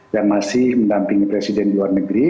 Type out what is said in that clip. yang masih mendampingi presiden di luar negeri